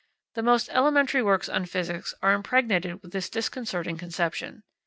The most elementary works on physics are impregnated with this disconcerting conception.